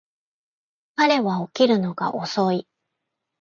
彼は起きるのが遅い